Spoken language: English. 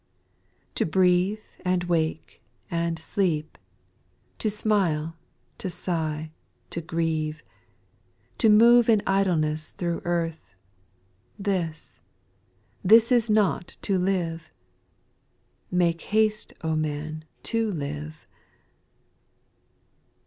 To breathe, and wake, and sleep, To smile, to sigh, to grieve ; To move in idleness through earth, This, this is not to live I Make haste, O man, to live I 3.